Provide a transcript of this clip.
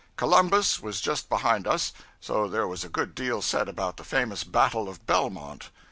Columbus was just behind us, so there was a good deal said about the famous battle of Belmont.